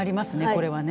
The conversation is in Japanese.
これはね。